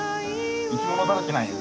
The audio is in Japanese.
生きものだらけなんよ